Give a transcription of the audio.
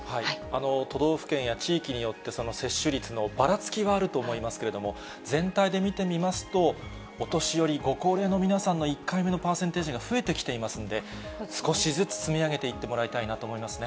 都道府県や地域によって、接種率のばらつきはあると思いますけれども、全体で見てみますと、お年寄り、ご高齢の皆さんの１回目のパーセンテージが増えてきていますので、少しずつ積み上げていってもらいたいなと思いますね。